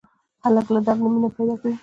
هلک له درد نه مینه پیدا کوي.